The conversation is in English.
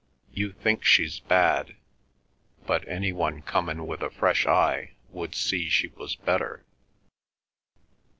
You think she's bad, but any one comin' with a fresh eye would see she was better.